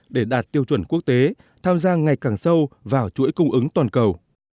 để đạt tiêu chuẩn quốc tế tham gia ngày càng sâu vào chuỗi cung ứng toàn cầu